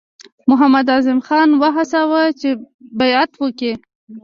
محمداعظم خان وهڅاوه چې بیعت وکړي.